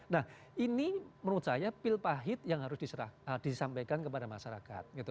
nah ini menurut saya pil pahit yang harus disampaikan kepada masyarakat